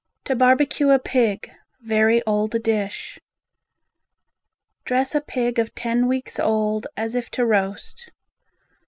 To Barbecue a Pig (very old dish) Dress a pig of ten weeks old as if to roast.